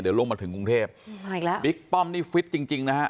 เดี๋ยวลงมาถึงกรุงเทพมาอีกแล้วบิ๊กป้อมนี่ฟิตจริงจริงนะฮะ